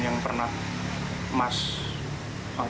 iya umur umur gut